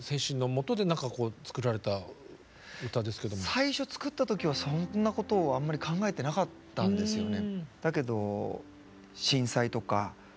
最初作った時はそんなことをあんまり考えてなかったんですよね。